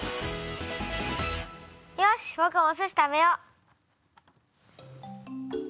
よしぼくもおすし食べよ。